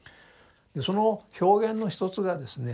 その表現の一つがですね